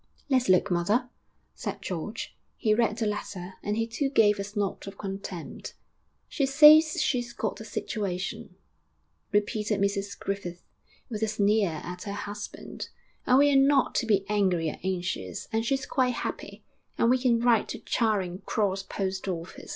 'Let's look, mother,' said George. He read the letter and he too gave a snort of contempt. 'She says she's got a situation,' repeated Mrs Griffith, with a sneer at her husband, 'and we're not to be angry or anxious, and she's quite happy and we can write to Charing Cross Post Office.